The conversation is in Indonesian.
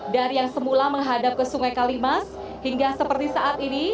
dari yang semula menghadap ke sungai kalimas hingga seperti saat ini